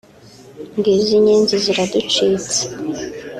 ngizo Inyenzi ziraducitse